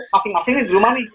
makin makin di rumah nih